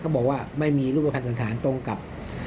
บอกว่าไม่มีรูปภัณฑ์สันธารตรงกับ